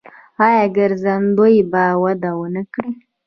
آیا ګرځندوی به وده ونه کړي؟